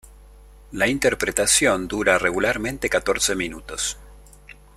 La interpretación dura regularmente catorce minutos.